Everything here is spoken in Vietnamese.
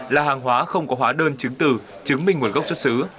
là hàng hóa không có hóa đơn chứng từ chứng minh nguồn gốc xuất xứ